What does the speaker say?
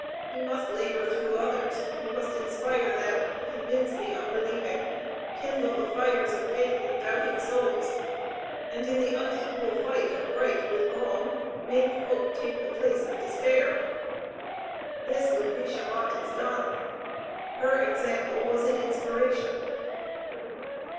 He must labor through others, he must inspire them, convince the unbelieving, kindle the fires of faith in doubting souls, and in the unequal fight of Right with Wrong make Hope take the place of despair. This Lucretia Mott has done. Her example was an inspiration.